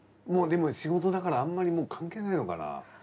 もうでも仕事だからあんまり関係ないのかな。